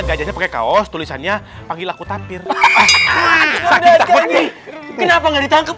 gajaknya pake kaos tulisannya panggil aku tapi why the world kenapa nggak ditangkap